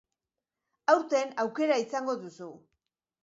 Aurten aukera izango duzu.